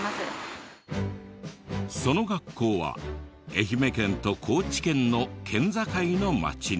その学校は愛媛県と高知県の県境の町に。